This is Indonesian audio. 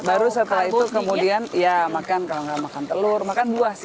baru setelah itu kemudian ya makan kalau nggak makan telur makan buah sih